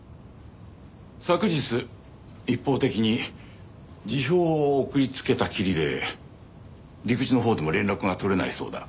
昨日一方的に辞表を送りつけたきりで陸自のほうでも連絡が取れないそうだ。